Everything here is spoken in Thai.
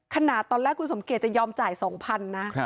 ขนาดตอนแรกคุณสมเกียจจะยอมจ่าย๒๐๐๐นะ